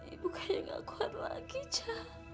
ibu kayak gak kuat lagi echa